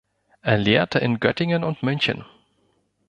Er lehrte in Göttingen und München.